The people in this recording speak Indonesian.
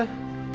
eh tunggu tunggu